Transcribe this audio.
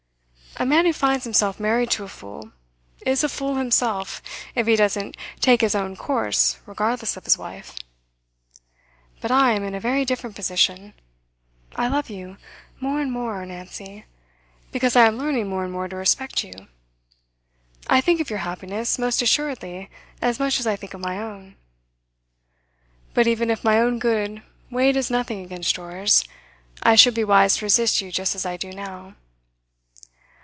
A man who finds himself married to a fool, is a fool himself if he doesn't take his own course regardless of his wife. But I am in a very different position; I love you more and more, Nancy, because I am learning more and more to respect you; I think of your happiness most assuredly as much as I think of my own. But even if my own good weighed as nothing against yours, I should be wise to resist you just as I do now.